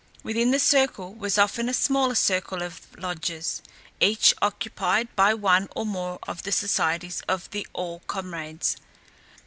Within the circle was often a smaller circle of lodges, each occupied by one or more of the societies of the All Comrades.